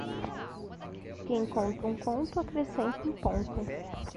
Quem conta um conto, acrescenta um ponto.